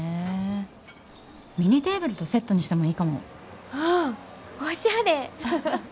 ミニテーブルとセットにしてもいいかも。ああおしゃれ！